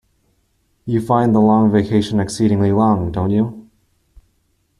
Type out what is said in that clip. You find the long vacation exceedingly long, don't you?